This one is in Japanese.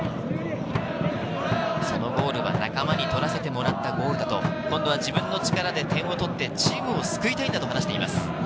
そのゴールは仲間に取らせてもらったゴールだと、今度は自分の力で点を取って、チームを救いたいんだと話しています。